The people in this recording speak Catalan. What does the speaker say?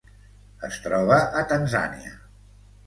Es troba a Tanzània.